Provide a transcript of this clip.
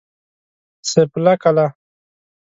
سيف الله کلا